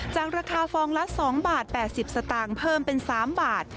จากราคาฟองละ๒บาท๘๐สตางค์เพิ่มเป็น๓บาท